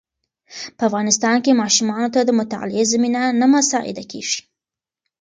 په افغانستان کې ماشومانو ته د مطالعې زمینه نه مساعده کېږي.